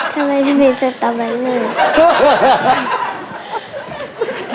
ทำไมถึงเป็นสตอเบอร์เลอร์